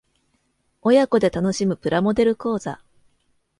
親子で楽しむプラモデル講座